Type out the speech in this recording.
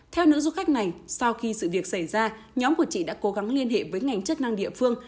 theo nữ du khách này sau khi sự việc xảy ra nhóm của chị đã cố gắng liên hệ với ngành chức năng địa phương